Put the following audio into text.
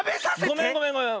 ごめんごめんごめん。